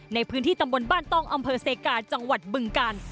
ในพื้นที่ตำบลบ้านต้องอำเภอเซกาจังหวัดบึงกาล